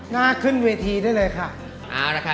น่าขึ้นเวทีได้เลยค่ะ